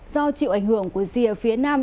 do chịu ảnh hưởng của rìa phía nam